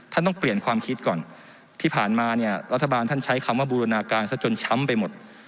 ต้องเปลี่ยนความคิดก่อนที่ผ่านมาเนี่ยรัฐบาลท่านใช้คำว่าบูรณาการซะจนช้ำไปหมด